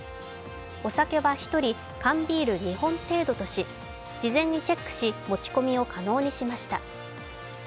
お酒は１人缶ビール２本程度とし、事前にチェックし、持ち込みを可能にしました。